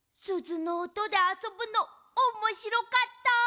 すずのおとであそぶのおもしろかった！